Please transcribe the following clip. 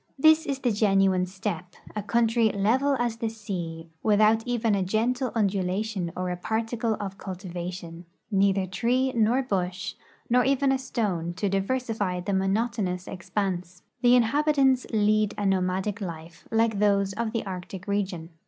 This is the genuine steppe, a country level as the sea, without even a gentle undulation or a particle of cultivation — neither tree nor bush, nor even a stone, to diversify the monotonous expanse. The inhabitants lead a nomadic life, like those of the Arctic region.